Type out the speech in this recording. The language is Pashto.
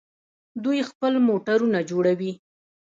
دوی خپل موټرونه جوړوي.